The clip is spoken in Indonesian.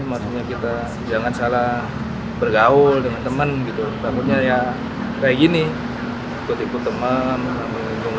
maksudnya kita jangan salah bergaul dengan temen gitu takutnya ya kayak gini ikut ikut